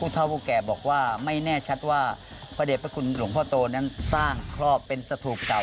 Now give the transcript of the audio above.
เท่าผู้แก่บอกว่าไม่แน่ชัดว่าพระเด็จพระคุณหลวงพ่อโตนั้นสร้างครอบเป็นสถูปเก่า